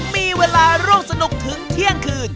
มีเวลาร่วมสนุกถึงเที่ยงคืน